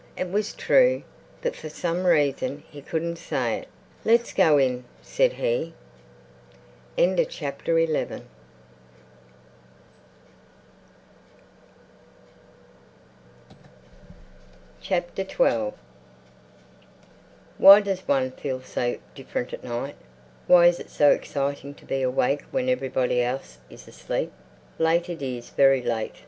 It was true, but for some reason he couldn't say it. "Let's go in," said he. XII Why does one feel so different at night? Why is it so exciting to be awake when everybody else is asleep? Late—it is very late!